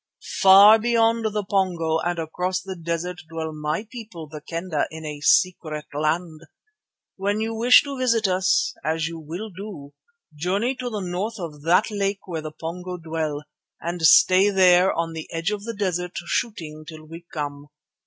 Far beyond the Pongo and across the desert dwell my people, the Kendah, in a secret land. When you wish to visit us, as you will do, journey to the north of that lake where the Pongo dwell, and stay there on the edge of the desert shooting till we come.